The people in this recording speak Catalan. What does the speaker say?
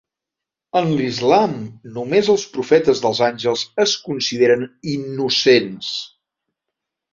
En l'Islam, només els profetes dels àngels es consideren innocents.